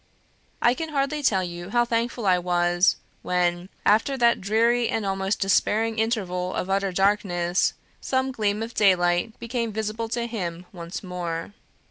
I can hardly tell you how thankful I was, when, after that dreary and almost despairing interval of utter darkness, some gleam of daylight became visible to him once more.